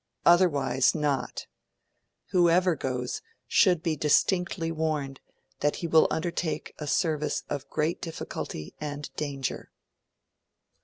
Otherwise, not ... Whoever goes should be distinctly warned that he will undertake a service of great difficulty and danger.'